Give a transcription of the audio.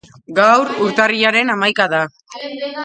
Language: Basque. Gaur urtarrilaren hamaika da.